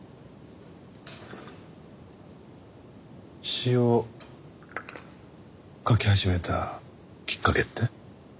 詩を書き始めたきっかけって？